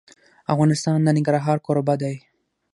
افغانستان د ننګرهار کوربه دی.